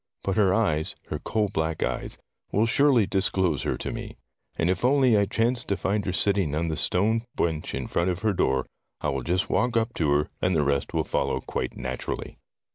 But her eyes, her coal black eyes, will surely disclose her to me. And if only I chance to find her sitting on the stone bench in front of her door, I will just walk up to her, and the rest will follow quite naturally."